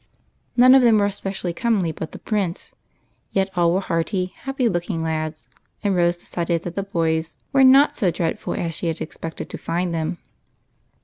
None of them were especially comely but the Prince, yet all were hearty, haj^py looking lads, and Rose decided that boys were not as dreadful as she had expected to find them.